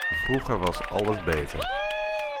Vroeger was alles beter.